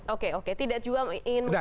oke oke tidak juga ingin mengatakan